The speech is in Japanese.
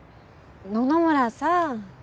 野々村さん。